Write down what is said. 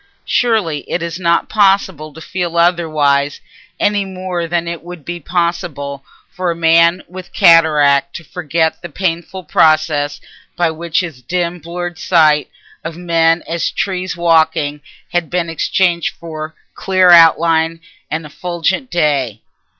Surely it is not possible to feel otherwise, any more than it would be possible for a man with cataract to regret the painful process by which his dim blurred sight of men as trees walking had been exchanged for clear outline and effulgent day.